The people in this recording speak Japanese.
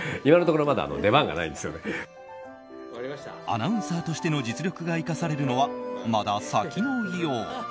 アナウンサーとしての実力が生かされるのはまだ先のよう。